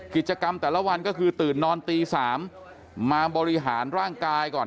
กิจกรรมแต่ละวันก็คือตื่นนอนตี๓มาบริหารร่างกายก่อน